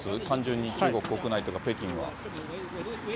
単純に中国国内とか、北京は。